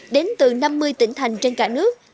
đến từ năm mươi tỉnh thành trên cả nước